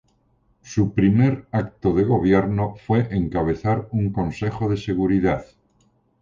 Su primer acto de gobierno fue encabezar un consejo de seguridad.